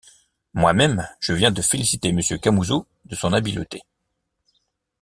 Moi-même je viens de féliciter monsieur Camusot de son habileté...